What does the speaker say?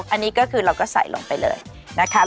อันนี้ก็คือเราก็ใส่ลงไปเลยนะคะ